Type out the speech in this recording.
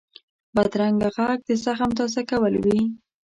بدرنګه غږ د زخم تازه کول وي